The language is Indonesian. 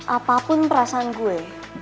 apapun perasaan gue